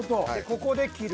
ここで切る。